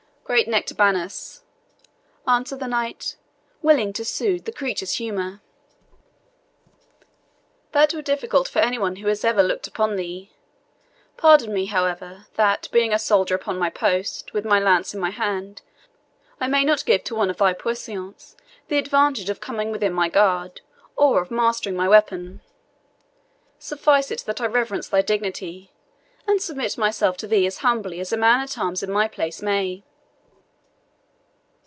"Great Nectabanus," answered the knight, willing to soothe the creature's humour, "that were difficult for any one who has ever looked upon thee. Pardon me, however, that, being a soldier upon my post, with my lance in my hand, I may not give to one of thy puissance the advantage of coming within my guard, or of mastering my weapon. Suffice it that I reverence thy dignity, and submit myself to thee as humbly as a man at arms in my place may."